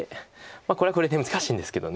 これはこれで難しいんですけど。